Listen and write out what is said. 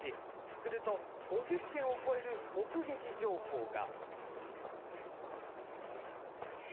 すると５０件を超える目撃情報が。